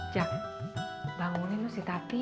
jak bangunin lu si tati